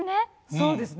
そうですね。